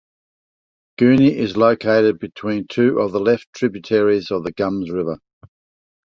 Guni is located between two of the left tributaries of the Gums River.